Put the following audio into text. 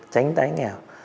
tránh tái nghèo